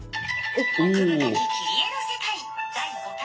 「奥深き切り絵の世界第５回」。